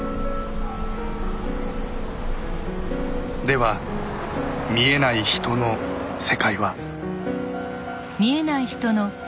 では見えない人の世界は。